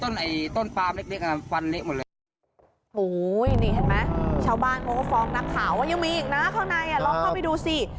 ลองเข้าไปดูสินะอ่ะ